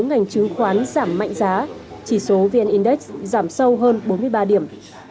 ngành chứng khoán giảm mạnh giá chỉ số vn index giảm sâu hơn bốn mươi ba điểm